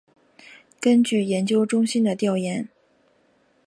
根据研究中心的调研